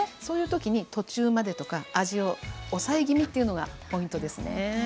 そういう時に途中までとか味を抑え気味というのがポイントですね。